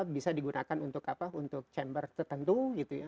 bisa digunakan untuk apa untuk chamber tertentu gitu ya